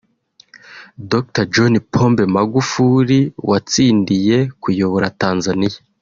Dr John Pombe Magufuli watsindiye kuyobora Tanzania